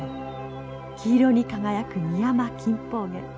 黄色に輝くミヤマキンポウゲ。